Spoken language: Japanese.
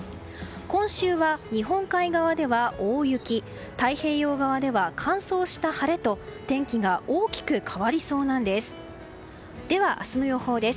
今週は日本海側では大雪太平洋側では、乾燥した晴れと天気が大きく変わりそうなんです。